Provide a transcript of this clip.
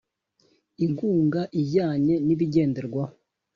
inkunga ijyanye n Ibigenderwaho